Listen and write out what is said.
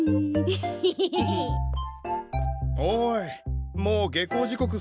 おいもう下校時刻過ぎてるぞ。